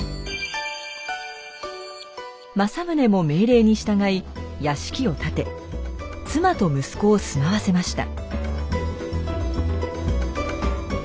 政宗も命令に従い屋敷を建て妻と息子を住まわせました。